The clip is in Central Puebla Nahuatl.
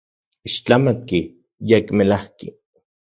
Ixtlamatki, yekmelajki.